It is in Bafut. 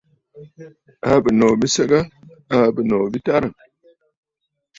Àa bɨ̀nòò bi səgə? Àa bɨnòò bi tarə̀.